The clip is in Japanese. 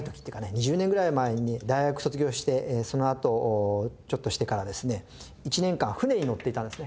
２０年ぐらい前に大学卒業してそのあとちょっとしてからですね１年間船に乗っていたんですね。